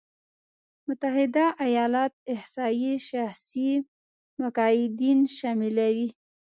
متحده ایالات احصایې شخصي مقاعدين شاملوي.